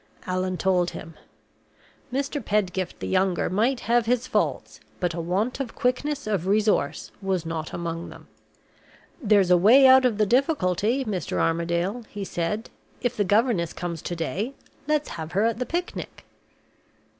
Allan told him. Mr. Pedgift the younger might have his faults, but a want of quickness of resource was not among them. "There's a way out of the difficulty, Mr. Armadale," he said. "If the governess comes to day, let's have her at the picnic."